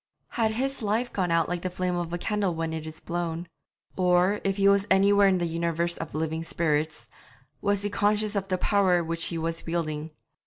Had his life gone out like the flame of a candle when it is blown? Or, if he was anywhere in the universe of living spirits, was he conscious of the power which he was wielding?